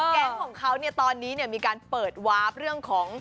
แก๊งของเขาเนี่ยตอนนี้มีการเปิดวาร์ฟเรื่องของ